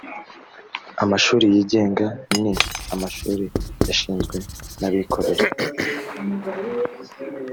amashuri yigenga ni amashuri yashinzwe nabikorera.